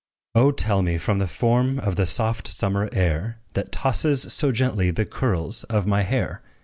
O tell me the form of the soft summer air, That tosses so gently the curls of my hair!